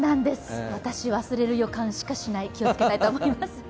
私、忘れる予感しかしない気をつけないとと思います。